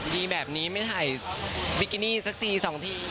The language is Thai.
ดีแบบนี้ไม่ถ่ายบิกินี่สักที๒ที